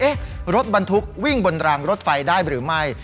รถบรรทุกวิ่งบนรางรถไฟได้หรือไม่